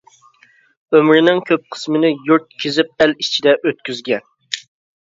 ئۆمرىنىڭ كۆپ قىسمىنى يۇرت كېزىپ ئەل ئىچىدە ئۆتكۈزگەن.